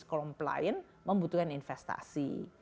compliance membutuhkan investasi